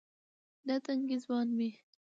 دا تنکے ځواني مې